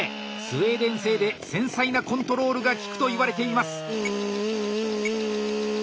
スウェーデン製で繊細なコントロールがきくといわれています！